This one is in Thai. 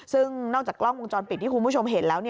ซึ่งนอกจากกล้องวงจรปิดที่คุณผู้ชมเห็นแล้ว